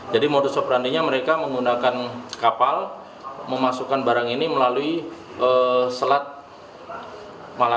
jadi modus operandinya mereka menggunakan kapal memasukkan barang ini melalui selat makanan